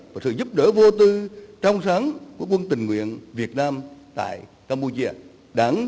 và sự giúp đỡ vô tư trong sáng của quân tình nguyện việt nam tại campuchia